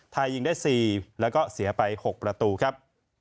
ยิงได้๔แล้วก็เสียไป๖ประตูครับ